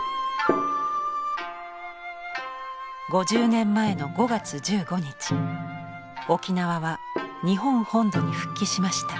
５０年前の５月１５日沖縄は日本本土に復帰しました。